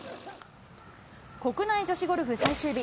国内女子ゴルフ最終日。